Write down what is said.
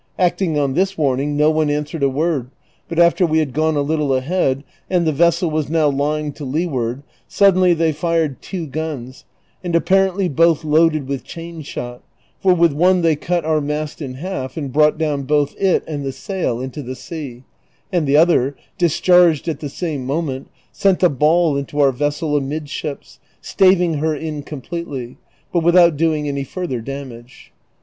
Acting on this warning no one answered a word, but after we had gone a little ahead, and tlie vessel was now lying to leeward, suddenly they fired two guns, and apparently both loaded with chainshot, for with one they cut our mast in half and brought down both it and the sail into the sea, and the other, discharged at the same moment, sent a ball into our vessel amidships, staving her in comi^letely, but without doing any further damage.